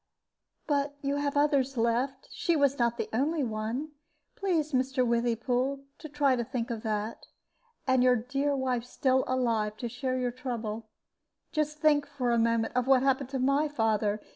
"But you have others left. She was not the only one. Please, Mr. Withypool, to try to think of that. And your dear wife still alive to share your trouble. Just think for a moment of what happened to my father.